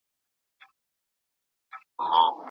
شېبه وروسته په توند باد کي ورکېده دي.